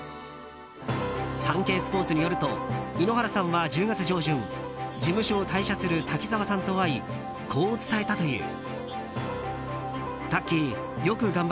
サンケイスポーツによると井ノ原さんは１０月上旬事務所を退社する滝沢さんと会いこう伝えたという。